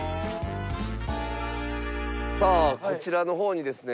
さあこちらの方にですね